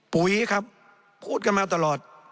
ปุ๋ยครับพูดกันมาตลอด